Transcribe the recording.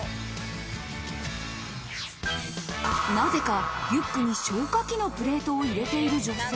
なぜかリュックに消化器のプレートを入れている女性。